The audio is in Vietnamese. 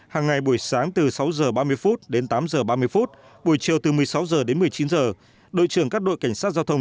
hàng ngày buổi sáng từ sáu h ba mươi phút đến tám h ba mươi phút buổi chiều từ một mươi sáu h đến một mươi chín h đội trưởng các đội cảnh sát giao thông